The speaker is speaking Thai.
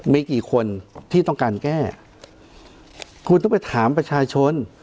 มีกี่คนที่ต้องการแก้คุณต้องไปถามประชาชน